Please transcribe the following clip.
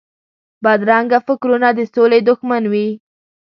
بدرنګه فکرونه د سولې دښمن وي